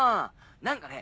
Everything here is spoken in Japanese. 何かね